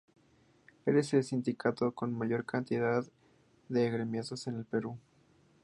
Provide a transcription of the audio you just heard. Es el Sindicato con mayor cantidad agremiados en el Perú.